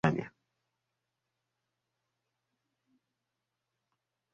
na kutuambia changamoto za kiafya ni kubwa na la awali ambalo anataka kufanya